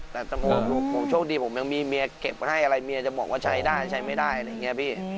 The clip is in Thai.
แต่ผมโชคดีผมยังมีเมียเก็บให้อะไรเมียจะบอกว่าใช้ได้ใช้ไม่ได้อะไรอย่างนี้พี่